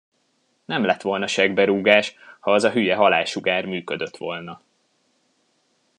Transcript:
Nem lett volna seggberúgás, ha az a hülye halálsugár működött volna.